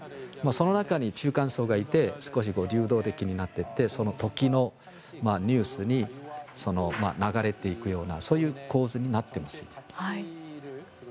その中に中間層がいて少し流動的になっててその時のニュースに流れていくようなそういう構図になっています。